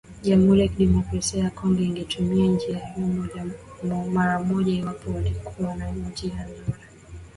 jamhuri ya kidemokrasia ya Kongo ingetumia njia hiyo mara moja iwapo walikuwa na nia nzuri